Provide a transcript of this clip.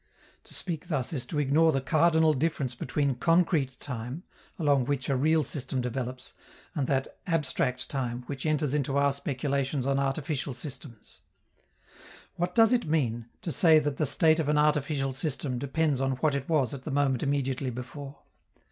To speak thus is to ignore the cardinal difference between concrete time, along which a real system develops, and that abstract time which enters into our speculations on artificial systems. What does it mean, to say that the state of an artificial system depends on what it was at the moment immediately before?